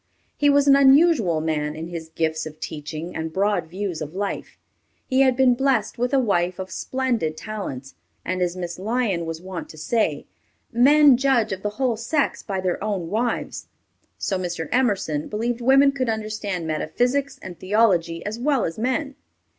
He was an unusual man in his gifts of teaching and broad views of life. He had been blest with a wife of splendid talents, and as Miss Lyon was wont to say, "Men judge of the whole sex by their own wives," so Mr. Emerson believed women could understand metaphysics and theology as well as men.